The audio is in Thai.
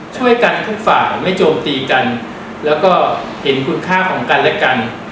ช่วยกันทุกฝ่ายไม่โจมตีกันแล้วก็เห็นคุณค่าของกันและกัน